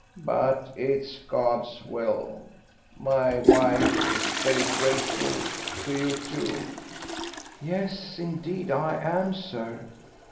But it's God's will.... My wife is very grateful to you, too." "Yes, indeed, I am, sir.